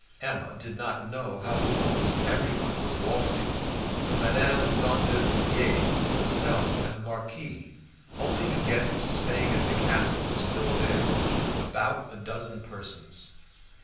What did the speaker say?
Emma did not know how to waltz. Everyone was waltzing, Mademoiselle d'Andervilliers herself and the Marquis; only the guests staying at the castle were still there, about a dozen persons.